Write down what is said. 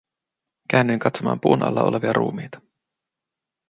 Käännyin katsomaan puun alla olevia ruumiita.